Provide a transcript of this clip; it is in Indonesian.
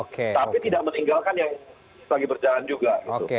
tapi tidak meninggalkan yang lagi berjalan juga gitu